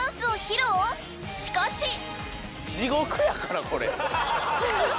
［しかし］